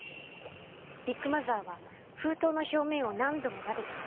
ビッグマザーは封筒の表面を何度もなでてました。